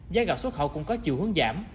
giá gạo xuất khẩu cũng có chiều hướng giảm